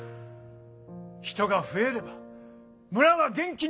人が増えれば村は元気になるんです！